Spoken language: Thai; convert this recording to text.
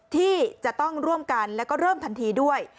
ที่จะต้องร่วมกันแล้วก็เริ่มทันทีด้วย